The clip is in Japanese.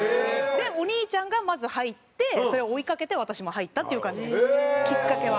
でお兄ちゃんがまず入ってそれを追いかけて私も入ったっていう感じですきっかけは。